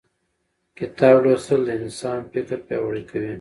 کتاب لوستل د انسان فکر پیاوړی کوي